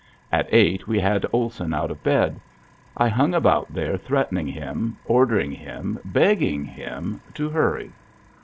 At eight we had Olson out of bed. I hung about there threatening him, ordering him, begging him to hurry.